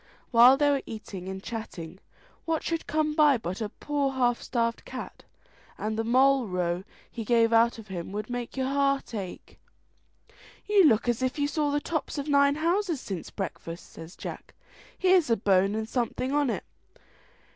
While they were eating and chatting, what should come by but a poor half starved cat, and the moll row he gave out of him would make your heart ache. "You look as if you saw the tops of nine houses since breakfast," says Jack; "here's a bone and something on it."